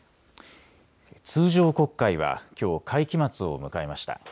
通常国会はきょう会期末を迎えました。